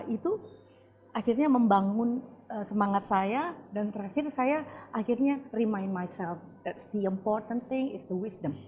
itu akhirnya membangun semangat saya dan terakhir saya akhirnya remind myself that the important thing is the wisdom